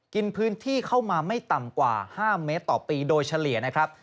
กินพื้นที่เข้ามาไม่ต่ำกว่า๕เมตรต่อปีโดยเฉลี่ยนะครับ